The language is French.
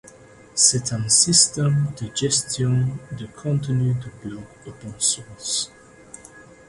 C'est un système de gestion de contenu de blog open source.